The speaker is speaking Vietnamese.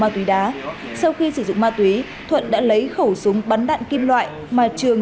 ma túy đá sau khi sử dụng ma túy thuận đã lấy khẩu súng bắn đạn kim loại mà trường